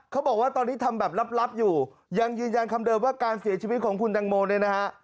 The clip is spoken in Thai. เขาบอกว่าตอนนี้ทำแบบลับอยู่ยังยืนยันคำเดิมว่าการเสียชีวิตของคุณตังโมเนี่ยนะฮะ